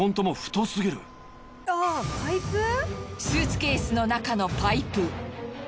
スーツケースの中のパイプ